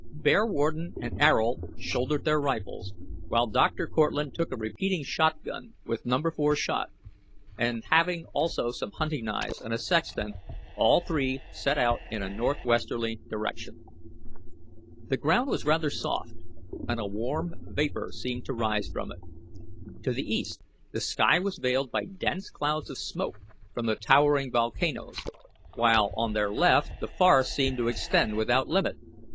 Bearwarden and Ayrault shouldered their rifles, while Dr. Cortlandt took a repeating shot gun with No. 4 shot, and, having also some hunting knives and a sextant, all three set out in a northwesterly direction. The ground was rather soft, and a warm vapor seemed to rise from it. To the east the sky was veiled by dense clouds of smoke from the towering volcanoes, while on their left the forest seemed to extend without limit.